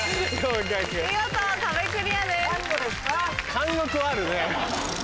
貫禄あるね。